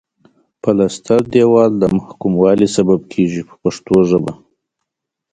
پلستر دېوال د محکموالي سبب کیږي په پښتو ژبه.